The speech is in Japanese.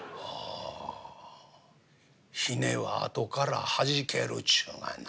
ひねは後からはじけるちゅうがな。